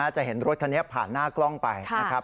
จะเห็นรถทีนี้ผ่านหน้ากล้องไป